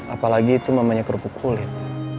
apalagi itu namanya kerupuk kulit